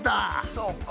そうか。